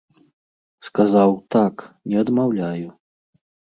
Сказаў, так, не адмаўляю.